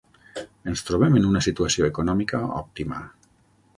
Ens trobem en una situació econòmica òptima.